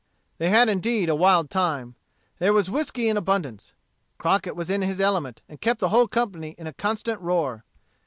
They had indeed a wild time. There was whiskey in abundance. Crockett was in his element, and kept the whole company in a constant roar.